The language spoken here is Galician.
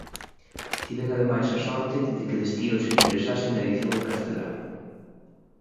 Tiven ademais a sorte de que Destino se interesase na edición en castelán.